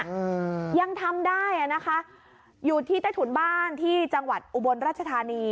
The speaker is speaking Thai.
อืมยังทำได้อ่ะนะคะอยู่ที่ใต้ถุนบ้านที่จังหวัดอุบลราชธานี